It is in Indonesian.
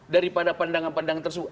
daripada pandangan pandangan tersebut